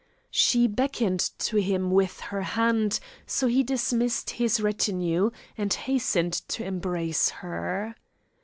She beckoned to him with her hand, so he dismissed his retinue, and hastened to embrace her.